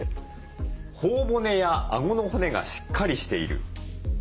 頬骨やあごの骨がしっかりしている。